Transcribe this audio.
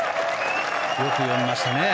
よく読みましたね。